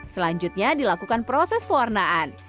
selanjutnya dilakukan proses pewarnaan